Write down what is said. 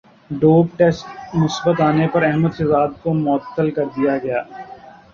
dope test مثبت انے پر احمد شہزاد کومعطل کردیاگیا